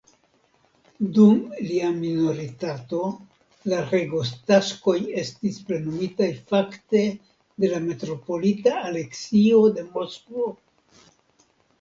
Dum lia minoritato la regotaskoj estis plenumitaj fakte de la metropolita Aleksio de Moskvo.